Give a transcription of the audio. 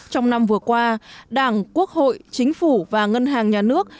trong năm vừa qua đảng quốc hội chính phủ và ngân hàng nhà nước